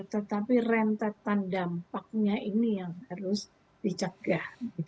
tetapi rentetan dampaknya ini yang harus dicegah